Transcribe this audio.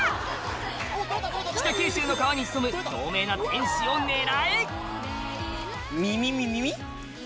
北九州の川に潜む透明な天使を狙え！